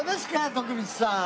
徳光さん。